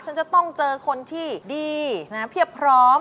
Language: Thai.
ฉันจะต้องเจอคนที่ดีนะเพียบพร้อม